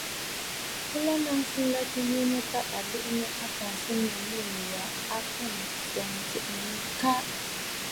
Bɨ lɛ nnaŋsə nlətə a yi mə tâ à liʼinə afǎnsənnǔ mû yì wa, a kɨɨ̀ ǹswoŋə tsiʼì mə “Kaʼa!”.